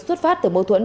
xuất phát từ mâu thuẫn